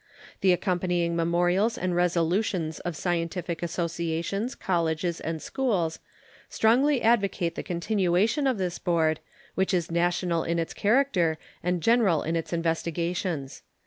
The accompanying memorials and resolutions of scientific associations, colleges, and schools strongly advocate the continuation of this board, which is national in its character and general in its investigations.